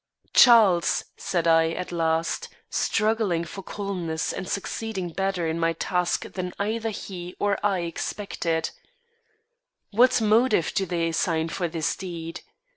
"Charles," said I, at last, struggling for calmness, and succeeding better in my task than either he or I expected; "what motive do they assign for this deed?